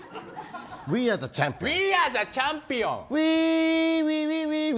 「ウィアーザチャンピオン」。